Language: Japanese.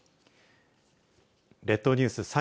列島ニュース